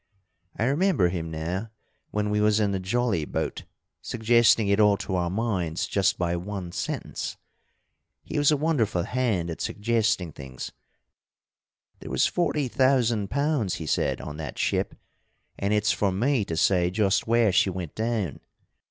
I remember him now, when we was in the jolly boat, suggesting it all to our minds just by one sentence. He was a wonderful hand at suggesting things. 'There was forty thousand pounds,' he said, 'on that ship, and it's for me to say just where she went down.'